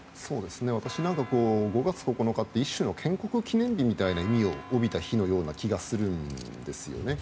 私なんか５月９日って一種の建国記念日みたいな意味を帯びた日のような気がするんですね。